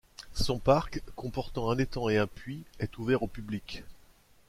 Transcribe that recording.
Son parc, comportant un étang et un puits, est ouvert au public.